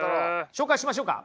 紹介しましょうか。